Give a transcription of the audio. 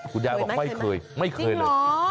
คุณยายบอกไม่เคยไม่เคยเลย